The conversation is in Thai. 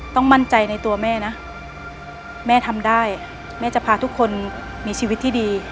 ต้องมั่นใจในตัวแม่นะแม่ทำได้แม่จะพาทุกคนมีชีวิตที่ดี